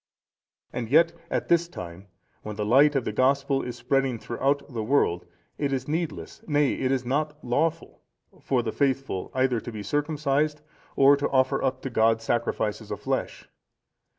'(472) And yet, at this time, when the light of the Gospel is spreading throughout the world, it is needless, nay, it is not lawful, for the faithful either to be circumcised, or to offer up to God sacrifices of flesh.